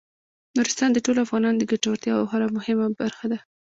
نورستان د ټولو افغانانو د ګټورتیا یوه خورا مهمه برخه ده.